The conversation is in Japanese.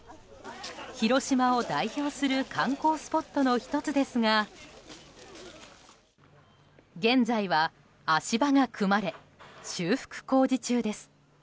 広島を代表する観光スポットの１つですが現在は足場が組まれ修復工事中です。